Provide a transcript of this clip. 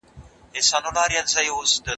زه به سبا ليکنې وکړم؟!